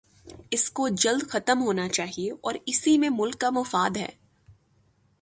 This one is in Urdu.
اس کو جلد ختم ہونا چاہیے اور اسی میں ملک کا مفاد ہے۔